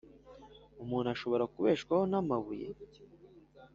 umuntu ashobora kubeshwaho n'amabuye?